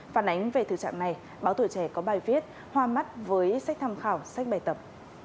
phản ánh về thực trạng này báo tuổi trẻ có bài viết hoa mắt với sách tham khảo sách bài tập